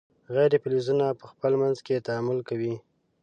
غیر فلزونه په خپل منځ کې تعامل کوي.